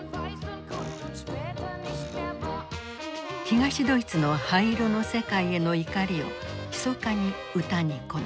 東ドイツの灰色の世界への怒りをひそかに歌に込めた。